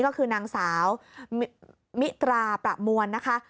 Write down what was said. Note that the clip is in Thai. ก็คือนางสาวมิตราประมวลนะคะ